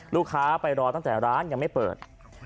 ลูกค้าไปรอตั้งแต่ร้านยังไม่เปิด